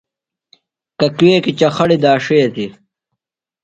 ککویکیۡ چخَڑیۡ داݜیتیۡ۔